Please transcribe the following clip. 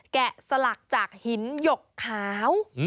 แกะสลักจากหินหยกขาว